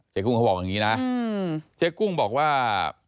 กุ้งเขาบอกอย่างนี้นะเจ๊กุ้งบอกว่า